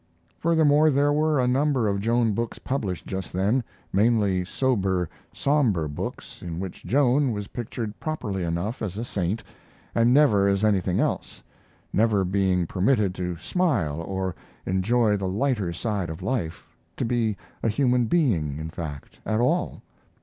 Furthermore, there were a number of Joan books published just then, mainly sober, somber books, in which Joan was pictured properly enough as a saint, and never as anything else never being permitted to smile or enjoy the lighter side of life, to be a human being, in fact, at all.